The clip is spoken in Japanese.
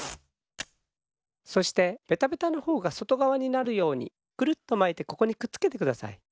そしてベタベタのほうがそとがわになるようにくるっとまいてここにくっつけてください。